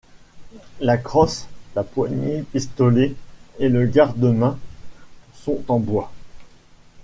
La crosse, la poignée pistolet et le garde-main sont en bois.